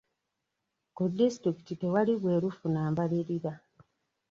Ku disitulikiti tewali bwerufu na mbalirira.